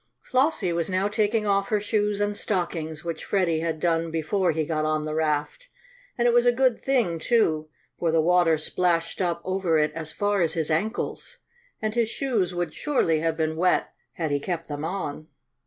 Flossie was now taking off her shoes and stockings, which Freddie had done before he got on the raft; and it was a good thing, too, for the water splashed up over it as far as his ankles, and his shoes would surely have been wet had he kept them on.